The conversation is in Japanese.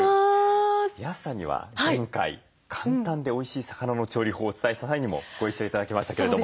安さんには前回簡単でおいしい魚の調理法をお伝えした際にもご一緒頂きましたけれども。